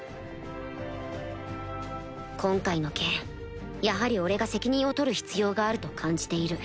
今回の件やはり俺が責任を取る必要があると感じている